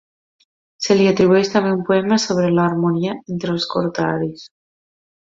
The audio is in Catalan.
Se li atribueix també un poema sobre l'harmonia entre els contraris.